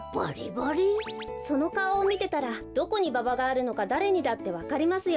そのかおをみてたらどこにババがあるのかだれにだってわかりますよ。